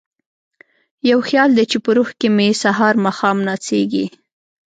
یو خیال دی چې په روح کې مې سهار ماښام نڅیږي